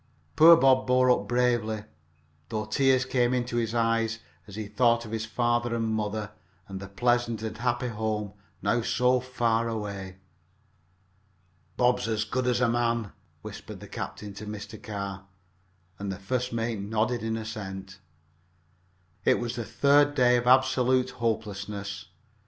Poor Bob bore up bravely, though tears came into his eyes as he thought of his father and mother, and the pleasant and happy home now so far away. "Bob's as good as a man," whispered the captain to Mr. Carr, and the first mate nodded an assent. It was the third day of absolute hopelessness.